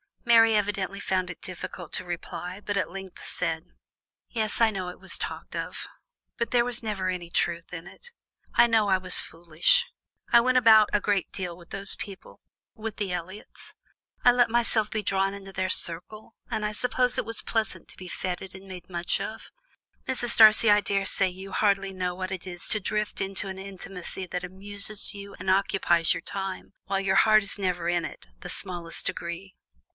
Mary evidently found it difficult to reply, but at length said: "Yes, I know it was talked of, but there was never any truth in it. I know I was foolish. I went about a great deal with those people with the Elliots; I let myself be drawn into their circle, and I suppose it was pleasant to be fêted and made much of; Mrs. Darcy, I daresay you hardly know what it is to drift into an intimacy that amuses you, and occupies your time, while your heart is never in it the smallest degree."